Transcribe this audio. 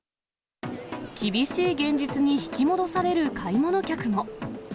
厳しい現実に引き戻される買い物客も。